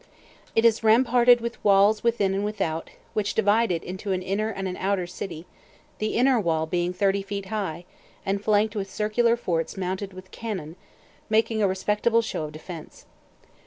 It is ramparted with walls within and without, which divide it into an inner and an outer city, the inner wall being thirty feet high, and flanked with circular forts mounted with cannon, making a respectable show of defence.